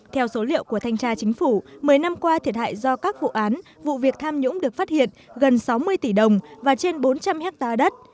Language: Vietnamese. theo số liệu của thanh tra chính phủ một mươi năm qua thiệt hại do các vụ án vụ việc tham nhũng được phát hiện gần sáu mươi tỷ đồng và trên bốn trăm linh hectare đất